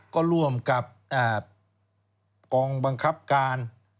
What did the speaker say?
ก็ร่วมกับกองบังคับการ